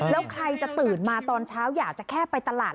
แล้วใครจะตื่นมาตอนเช้าอยากจะแค่ไปตลาด